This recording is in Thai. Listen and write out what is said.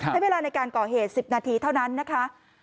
ใช้เวลาในการก่อเหตุ๑๐นาทีเท่านั้นนะคะ